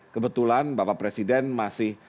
kebetulan bapak presiden masih